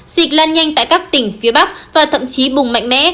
dịch lan nhanh tại các tỉnh phía bắc và thậm chí bùng mạnh mẽ